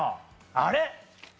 あれ？